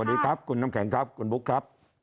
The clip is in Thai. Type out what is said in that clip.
สวัสดีครับคุณน้ำแข็งครับคุณบุ๊คครับ